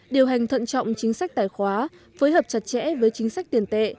điều hành thận trọng chính sách tài khóa phối hợp chặt chẽ với chính sách tiền tệ